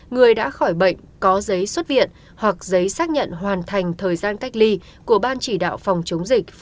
người đã khỏi bệnh có giấy xuất viện hoặc giấy xác nhận hoàn thành thời gian cách ly của ban chỉ đạo phòng chống dịch